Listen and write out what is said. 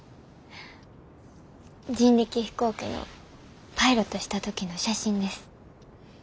人力飛行機のパイロットした時の写真です。